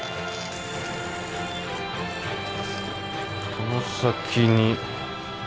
この先に。